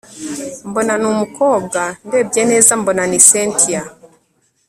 mbona ni umukobwa, ndebye neza mbona ni cyntia